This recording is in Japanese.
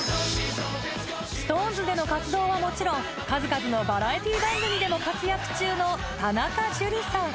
ＳｉｘＴＯＮＥＳでの活動はもちろん数々のバラエティー番組でも活躍中の田中樹さん